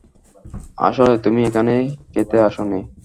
আসলেই, তুমি এখানে খেতে আসোনি।